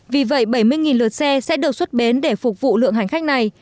vì vậy bảy mươi lượt xe sẽ được xuất bến để phục vụ lượng hành khách này